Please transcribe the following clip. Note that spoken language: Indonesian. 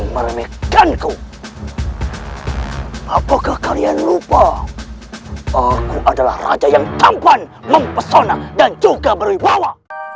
meremehkanku apakah kalian lupa aku adalah raja yang tampuan mempesona dan juga berwibawa